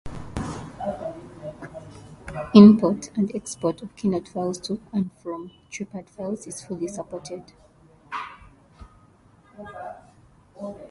Import and export of KeyNote files to and from TreePad files is fully supported.